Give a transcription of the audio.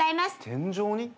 天井に？